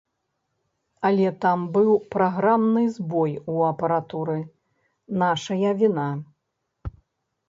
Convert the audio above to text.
Але там быў праграмны збой у апаратуры, нашая віна.